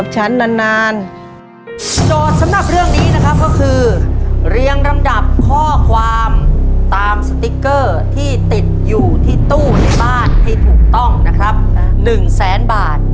จะทำได้หรือไม่ได้ครับ